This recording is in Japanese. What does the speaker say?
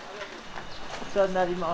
お世話になります。